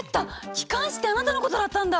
機関士ってあなたのことだったんだ。